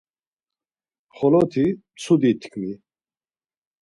Xoloti mtsudi tkvi.